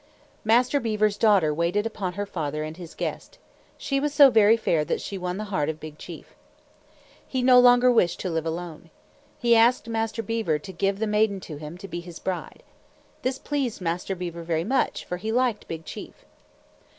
Master Beaver's daughter waited upon her father and his guest. She was so very fair that she won the heart of Big Chief. He no longer wished to live alone. He asked Master Beaver to give the maiden to him, to be his bride. This pleased Master Beaver very much, for he liked Big Chief.